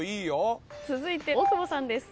続いて大久保さんです。